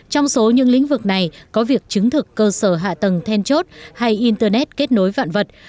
trong số những lĩnh vực này có việc chứng thực cơ sở hạ tầng then chốt hay internet kết nối vạn vật